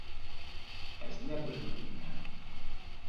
Ez nebiriqîme.